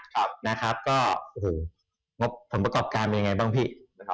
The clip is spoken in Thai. แล้วก็งบผลประกอบการมียังไงบ้างพี่